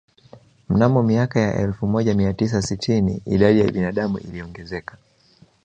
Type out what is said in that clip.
Mnamo miaka ya elfu moja mia tisa sitini idadi ya binadamu iliongezeka